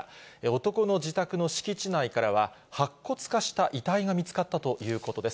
男の自宅の敷地内からは、白骨化した遺体が見つかったということです。